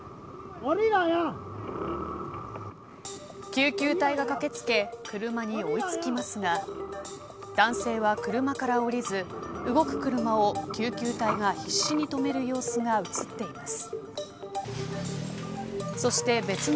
救急隊が駆け付け車に追い付きますが男性は車から降りず動く車を救急隊が必死に止める様子が映っています。